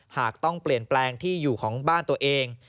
หากต้องเปลี่ยนแปลงที่อยู่ของบ้านตัวเอง